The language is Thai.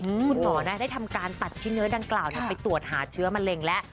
คุณหมอนะได้ทำการตัดชิ้นเนื้อดังกล่าวไปตรวจหาเชื้อมะเร็งแล้ว